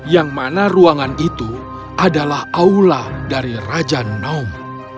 yang mana ruangan itu adalah aula dari raja nom